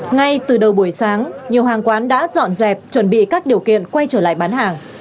ngay từ đầu buổi sáng nhiều hàng quán đã dọn dẹp chuẩn bị các điều kiện quay trở lại bán hàng